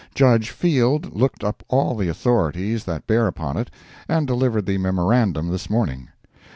Judge Field looked up all the authorities that bear upon it, and delivered the memorandum this morning.